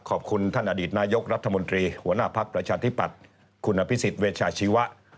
ขอบคุณท่านอดีตนายกรัฐมนตรีหัวหน้าภักดิ์ประชาธิปัตย์คุณอภิษฎเวชาชีวะ